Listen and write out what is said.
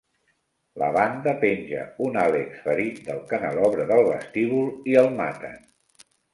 La banda penja un Alex ferit del canelobre del vestíbul i el maten.